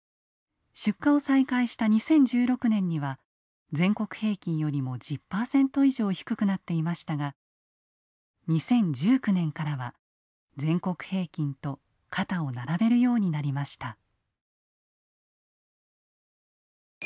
出荷を再開した２０１６年には全国平均よりも１０％以上低くなっていましたが２０１９年からは全国平均と肩を並べるようになりました。